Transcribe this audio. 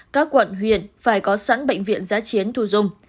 các quận huyện phải có sẵn bệnh viện giá chiến thù dung